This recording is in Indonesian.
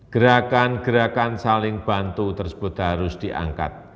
gerakan gerakan saling bantu tersebut harus diangkat